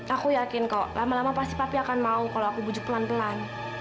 aku yakin kok lama lama pasti papi akan mau kalau aku bujuk pelan pelan